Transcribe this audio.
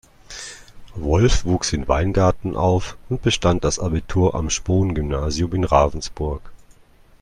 Wolf wuchs in Weingarten auf und bestand das Abitur am Spohn-Gymnasium in Ravensburg.